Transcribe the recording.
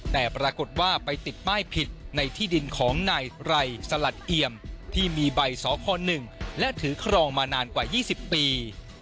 แต่ปรากฏว่าไปติดป้ายผิดในที่ดินของนายไรสลัดเอี่ยมที่มีใบสค๑และถือครองมานานกว่า๒๐ปี